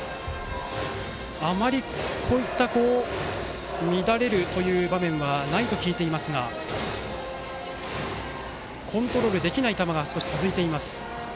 こういった乱れるという場面はあまりないと聞いていますがコントロールできない球が少し続いています。